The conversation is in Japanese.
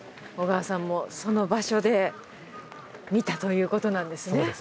小川さんもその場所で見たということなんですね？